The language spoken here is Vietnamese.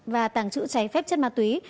và tàng trữ trái phép chất ma túy